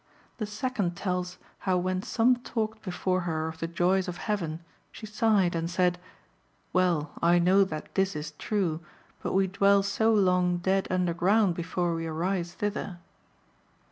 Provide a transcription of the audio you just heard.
The second tells how when some talked before her of the joys of heaven, she sighed and said, "Well, I know that this is true; but we dwell so long dead underground before we arise thither."